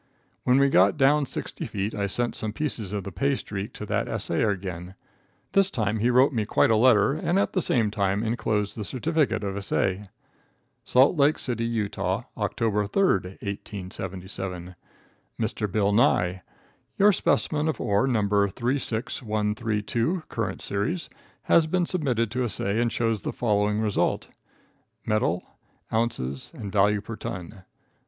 When we got down sixty feet I sent some pieces of the pay streak to the assayer again. This time he wrote me quite a letter, and at the same time inclosed the certificate of assay. Salt Lake City, U.T., October 3, 1877. Mr. Bill Nye: Your specimen of ore No. 36132, current series, has been submitted to assay and shows the following result: Metal. Ounces. Value per ton.